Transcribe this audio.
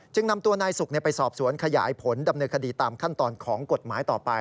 นำตัวนายสุกไปสอบสวนขยายผลดำเนินคดีตามขั้นตอนของกฎหมายต่อไป